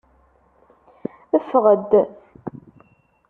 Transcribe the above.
Ffeɣ-d.